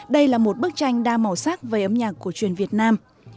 đây là một bức tranh đa màu sắc về âm nhạc cổ truyền việt nam